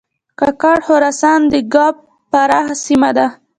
کاکړ خراسان د ږوب پراخه سیمه ده